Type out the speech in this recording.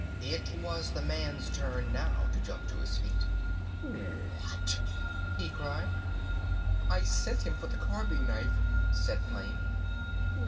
It was the man's turn now to jump to his feet. "What?" he cried. "I sent him for the carving knife," said Flame.